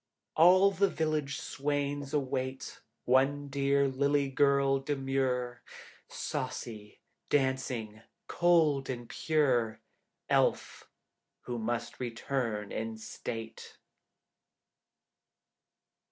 All the village swains await One dear lily girl demure, Saucy, dancing, cold and pure, Elf who must return in state.